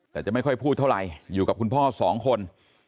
แต่จะไม่ค่อยพูดเท่าไรอยู่กับคุณพ่อสองคน